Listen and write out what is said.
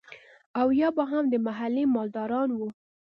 او يا به هم محلي مالداران وو.